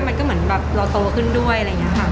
มันก็เหมือนแบบเราโตขึ้นด้วยอะไรอย่างนี้ค่ะ